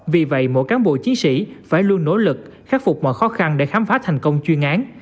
vì vậy mỗi cán bộ chiến sĩ phải luôn nỗ lực khắc phục mọi khó khăn để khám phá thành công chuyên án